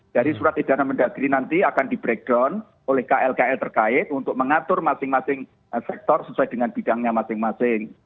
dari surat edaran mendagri nanti akan di breakdown oleh kl kl terkait untuk mengatur masing masing sektor sesuai dengan bidangnya masing masing